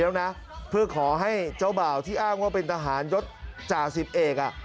แล้วนะเพื่อขอให้เจ้าบ่าวที่อ้างว่าเป็นทหารยศจ่าสิบเอกอ่ะ